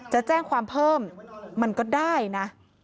จะแจ้งความเพิ่มมันก็ได้นะ